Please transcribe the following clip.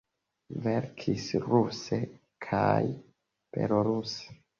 Verkis ruse kaj beloruse.